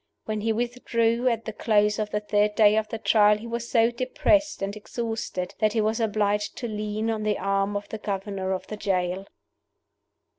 When he withdrew at the close of the third day of the Trial he was so depressed and exhausted that he was obliged to lean on the arm of the governor of the jail.